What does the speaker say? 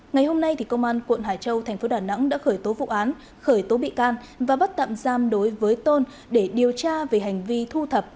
ngày hôm nay công an quận hải châu thành phố đà nẵng đã khởi tố vụ án khởi tố bị can và bắt tạm giam đối với tôn để điều tra về hành vi thu thập